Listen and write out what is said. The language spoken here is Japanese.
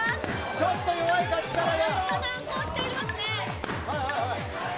ちょっと弱いか力が。